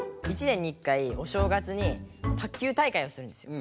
１年に１回お正月に卓球大会をするんですよ。